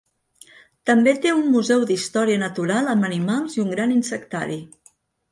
També té un museu d"història natural amb animals i un gran insectari.